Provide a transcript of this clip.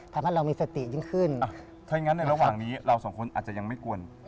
ทำให้เรามีสติยิ่งขึ้นถ้าอย่างงั้นในระหว่างนี้เราสองคนอาจจะยังไม่ควร